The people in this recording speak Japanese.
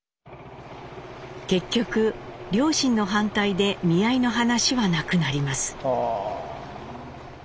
結局両親の反対で見合いの話はなくなります。